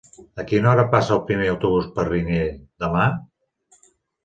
A quina hora passa el primer autobús per Riner demà?